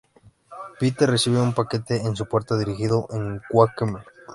Peter recibe un paquete en su puerta dirigido a Quagmire.